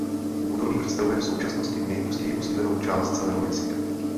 Údolí představuje v současnosti nejhustěji osídlenou část celého Mexika.